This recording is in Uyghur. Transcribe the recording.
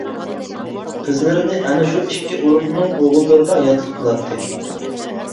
قىزلىرىنى ئەنە شۇ ئىككى ئۇرۇقنىڭ ئوغۇللىرىغا ياتلىق قىلاتتى.